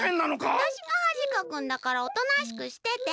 わたしがはじかくんだからおとなしくしてて。